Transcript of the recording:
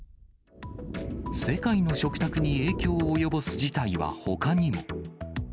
世界の食卓に影響を及ぼす事態はほかにも。